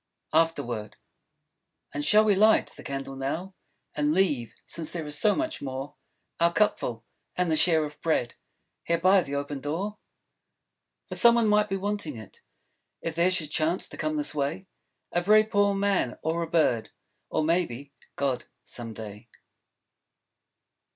After Word And shall we light the candle now? And leave, since there is so much more, Our cupful, and the share of bread, Here by the open door? For some one might be wanting it, If there should chance to come this way, A very poor Man; or a Bird; Or maybe, God, some day.